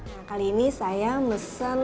nah kali ini saya mesen